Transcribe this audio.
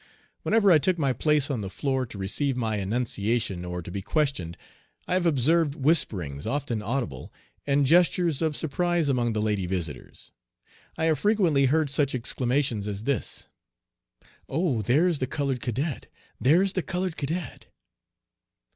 Whenever I took my place on the floor to receive my enunciation or to be questioned, I have observed whisperings, often audible, and gestures of surprise among the lady visitors. I have frequently heard such exclamations as this: "Oh! there's the colored cadet! there's the colored cadet!"